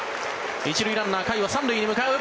１塁ランナー、甲斐は３塁に向かう。